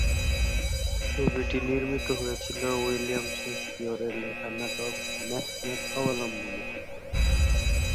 ছবিটি নির্মিত হয়েছিল উইলিয়াম শেকসপিয়রের লেখা নাটক "ম্যাকবেথ" অবলম্বনে।